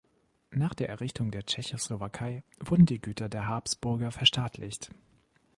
Nach der Errichtung der Tschechoslowakei wurden die Güter der Habsburger verstaatlicht.